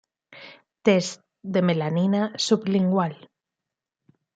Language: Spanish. Test de melanina sublingual.